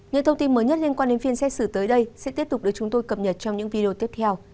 những thông tin mới nhất liên quan đến phiên xét xử tới đây sẽ tiếp tục được chúng tôi cập nhật trong những video tiếp theo